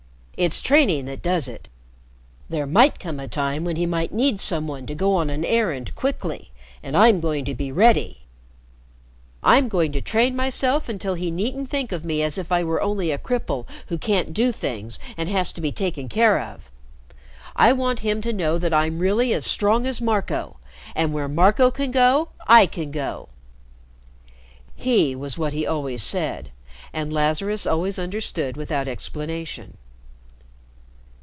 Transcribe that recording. It's training that does it. There might come a time when he might need some one to go on an errand quickly, and I'm going to be ready. I'm going to train myself until he needn't think of me as if I were only a cripple who can't do things and has to be taken care of. I want him to know that I'm really as strong as Marco, and where Marco can go I can go." "He" was what he always said, and Lazarus always understood without explanation.